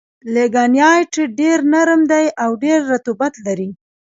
لېګنایټ ډېر نرم دي او ډېر رطوبت لري.